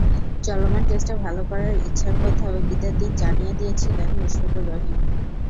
চলমান টেস্টে ভালো করার ইচ্ছার কথাও ঈদের দিন জানিয়ে দিয়েছিলেন মুশফিকুর রহিম।